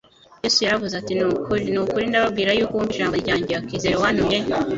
Yesu yaravuze ati, “Ni ukuri, ni ukuri ndababwira yuko uwumva ijambo ryanjye akizera uwantumye,